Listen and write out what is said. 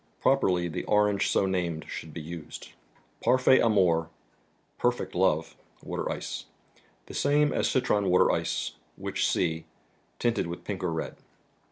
Properly, the orange so named should be used. " parfatt amour "((( perfect Lobe!") mater %e. The same as " Citron Water Ice," which see, tinted with pink or red.